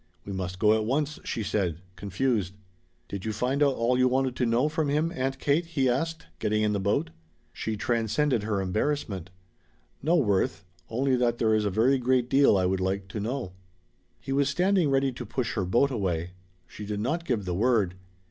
"We must go at once," she said, confused. "Did you find out all you wanted to know from him, Aunt Kate?" he asked, getting in the boat. She transcended her embarrassment. "No, Worth. Only that there is a very great deal I would like to know." He was standing ready to push her boat away. She did not give the word.